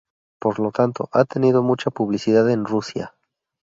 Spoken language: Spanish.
Por lo tanto, ha tenido mucha publicidad en Rusia.